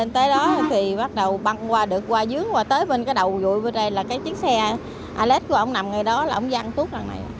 thì bắt đầu băng qua được qua dướng qua tới bên cái đầu dụi bên đây là cái chiếc xe alex của ổng nằm ngay đó là ổng dăng tuốt rằng này